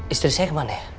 istri saya kemana ya